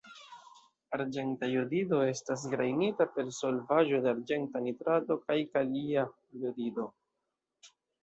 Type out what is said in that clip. Arĝenta jodido estas gajnita per solvaĵo de arĝenta nitrato kaj kalia jodido.